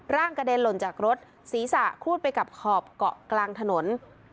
กระเด็นหล่นจากรถศีรษะครูดไปกับขอบเกาะกลางถนน